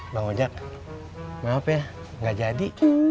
bang ojak maaf ya enggak jadi